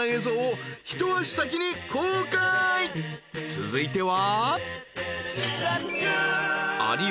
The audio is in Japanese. ［続いては］